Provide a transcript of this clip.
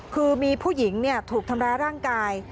คือมีผู้หญิงถูกทำร้ายร่างกาย